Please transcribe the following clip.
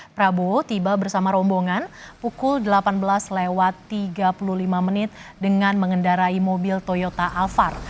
prabowo tiba bersama rombongan pukul delapan belas lewat tiga puluh lima menit dengan mengendarai mobil toyota alphar